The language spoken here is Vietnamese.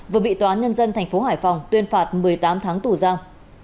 vừa bị tòa nhân dân tp hải phòng tuyên phạt một mươi tám tháng tù giao